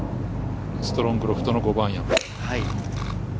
ストロングロフトの５番アイアン。